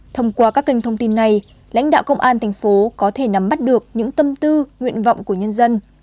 thông qua các kênh thông tin này lãnh đạo công an thành phố có thể nắm bắt được những tâm tư nguyện vọng của nhân dân